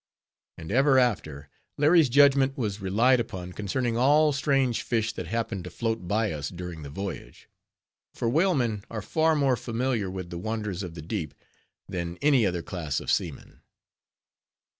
And ever after, Larry's judgment was relied upon concerning all strange fish that happened to float by us during the voyage; for whalemen are far more familiar with the wonders of the deep than any other class of seaman.